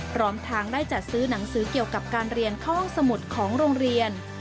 พร้อมทางได้จัดซื้อหนังสือเกี่ยวกับการเรียนเข้าห้องสมุดของโรงเรียน